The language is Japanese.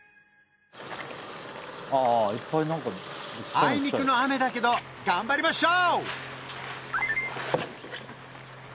あいにくの雨だけど頑張りましょう！